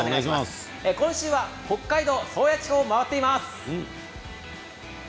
今週は北海道の宗谷地方を回っています。